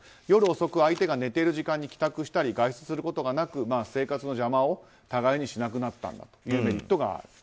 夜遅く相手が寝ている時間に帰宅したり外出することがなく生活の邪魔を互いにしなくなったんだというメリット。